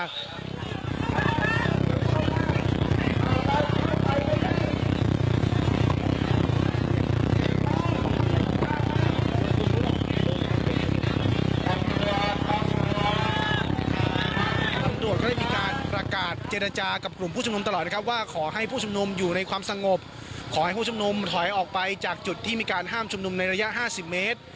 ตำรวจก็ได้มีการประกาศเจรจากับกลุ่มผู้ชุมนุมตลอดนะครับว่าขอให้ผู้ชุมนุมอยู่ในความสงบขอให้ผู้ชุมนุมถอยออกไปจากจุดที่มีการห้ามชุมนุมในระยะ๕๐เมตร